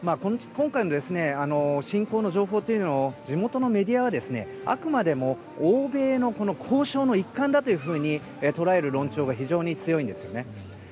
今回の侵攻の情報というのは地元のメディアはあくまでも欧米の交渉の一環だと捉える論調が非常に強いんですね。